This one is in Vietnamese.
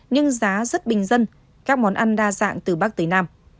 nhưng giá rất bình dân các món ăn đa dạng từ bắc tới nam